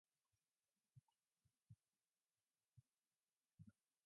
Countless of his photographs have been published in books and magazines.